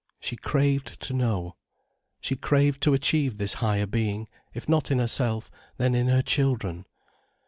She craved to know. She craved to achieve this higher being, if not in herself, then in her children.